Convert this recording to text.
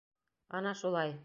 Ана шулай...